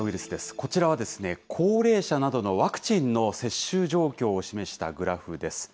こちらは高齢者などのワクチンの接種状況を示したグラフです。